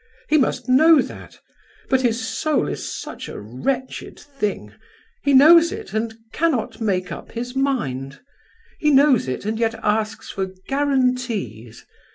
He must know that, but his soul is such a wretched thing. He knows it and cannot make up his mind; he knows it and yet asks for guarantees.